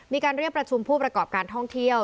มีการเรียกประชุมผู้ประกอบการท่องเที่ยว